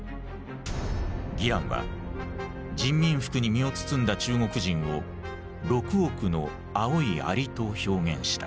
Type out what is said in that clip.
ギランは人民服に身を包んだ中国人を「六億の青い蟻」と表現した。